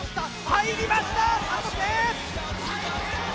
入りました！